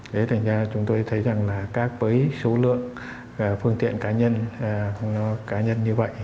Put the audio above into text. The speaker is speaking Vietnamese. thế thành ra chúng tôi thấy rằng là các bấy số lượng phương tiện cá nhân như vậy